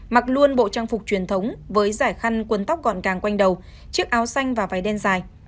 mặc luôn bộ trang phục truyền thống với giải khăn cuốn tóc gọn càng quanh đầu chiếc áo xanh và váy đen dài